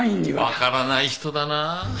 分からない人だなぁ。